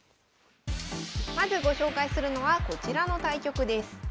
まずご紹介するのはこちらの対局です。